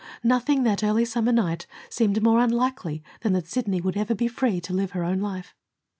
Nothing, that early summer night, seemed more unlikely than that Sidney would ever be free to live her own life.